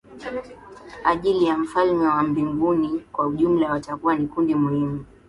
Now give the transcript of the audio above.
ajili ya ufalme wa mbinguni Kwa jumla watawa ni kundi muhimu